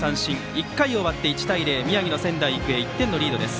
１回終わって１対０宮城の仙台育英が１点のリードです。